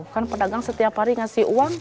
kan pedagang setiap hari ngasih uang